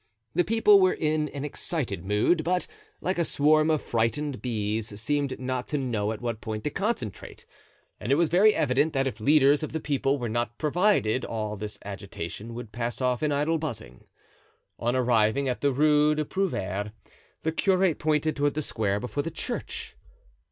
The people were in an excited mood, but, like a swarm of frightened bees, seemed not to know at what point to concentrate; and it was very evident that if leaders of the people were not provided all this agitation would pass off in idle buzzing. On arriving at the Rue des Prouvaires, the curate pointed toward the square before the church.